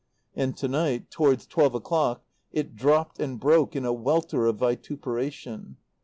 And to night, towards twelve o'clock, it dropped and broke in a welter of vituperation.